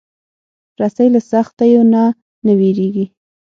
رسۍ له سختیو نه نه وېرېږي.